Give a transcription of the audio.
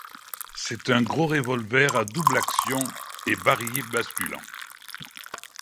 C’est un gros revolver à double action et barillet basculant.